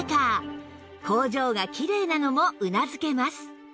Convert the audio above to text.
工場がきれいなのもうなずけます